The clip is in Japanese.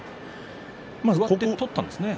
上手を取ったんですね。